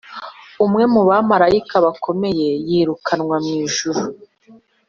umwe mu bamarayika bakomeye yirukanywe mw’ijuru